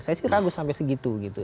saya sih ragu sampai segitu gitu